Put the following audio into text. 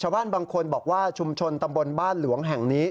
ชาวบ้านบางคนบอกว่าชุมชนตำบลบ้านหลวงแห่งนี้